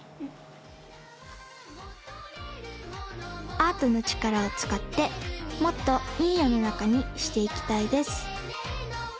アートのちからをつかってもっといいよのなかにしていきたいです